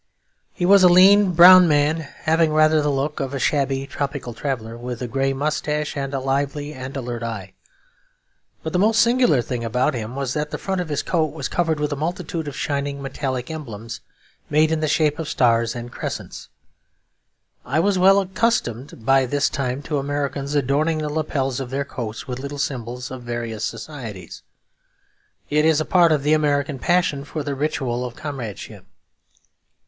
He was a lean brown man, having rather the look of a shabby tropical traveller, with a grey moustache and a lively and alert eye. But the most singular thing about him was that the front of his coat was covered with a multitude of shining metallic emblems made in the shape of stars and crescents. I was well accustomed by this time to Americans adorning the lapels of their coats with little symbols of various societies; it is a part of the American passion for the ritual of comradeship.